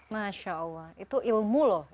masya allah itu ilmu loh